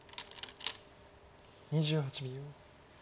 ２８秒。